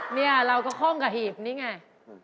เนี่ยเราก็คล่องกับหีบนี่ไง